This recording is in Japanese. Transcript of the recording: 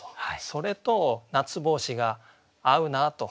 それと「夏帽子」が合うなと。